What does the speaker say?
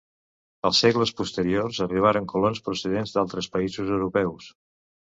En segles posteriors arribaren colons procedents d'altres països europeus.